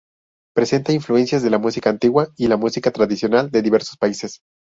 Presenta influencias de la música antigua y la música tradicional de diversos países.